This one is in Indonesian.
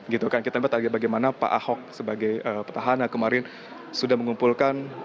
gitu kan kita melihat lagi bagaimana pak ahok sebagai petahana kemarin sudah mengumpulkan